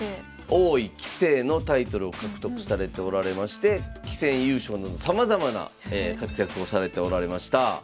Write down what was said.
王位棋聖のタイトルを獲得されておられまして棋戦優勝などさまざまな活躍をされておられました。